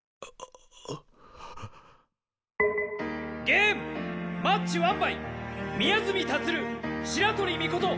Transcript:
ゲームマッチワンバイ宮澄建・白鳥尊。